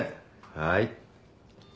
はい。